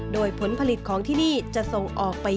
โดยผลผลิตของที่นี่จะส่งออกไป